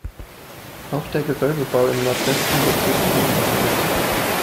Auch der Gewölbebau im Nordwesten datiert in diese Zeit.